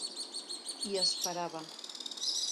I esperava.